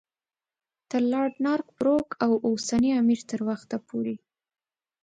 تر لارډ نارت بروک او اوسني امیر تر وخته پورې.